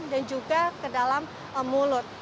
dan juga ke dalam mulut